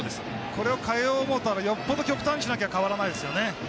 これを変えようと思ったらよっぽど極端にしないと変わらないですね。